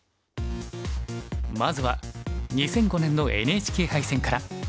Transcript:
まずは２００５年のＮＨＫ杯戦から。